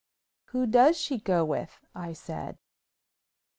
"Who does she go with?" I said.